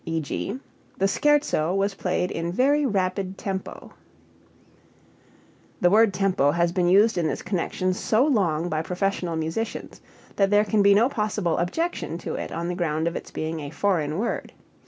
E.g., "The scherzo was played in very rapid tempo." The word tempo has been used in this connection so long by professional musicians that there can be no possible objection to it on the ground of its being a foreign word.